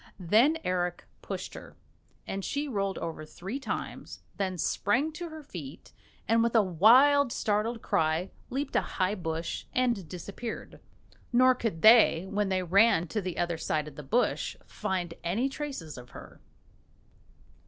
Then Eric pushed her, and she rolled over three times, then sprang to her feet, and with a wild startled cry leaped a high bush and disappeared. Nor could they, when they ran to the other side of the bush, find any traces of her.